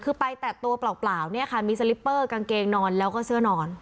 คือไปแต่ตัวเปล่าเนี่ยค่ะมีสลิปเปอร์กางเกงนอนแล้วก็เสื้อนอน